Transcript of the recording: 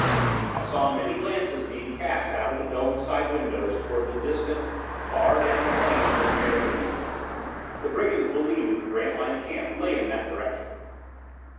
I saw many glances being cast out the dome side windows toward the distant, far down plains of the Mare Imbrium. The brigands believed that the Grantline camp lay in that direction.